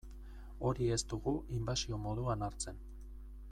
Hori ez dugu inbasio moduan hartzen.